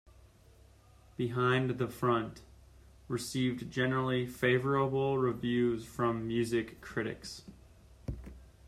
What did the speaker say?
"Behind the Front" received generally favorable reviews from music critics.